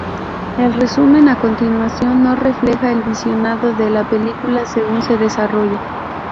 El resumen a continuación no refleja el visionado de la película según se desarrolla.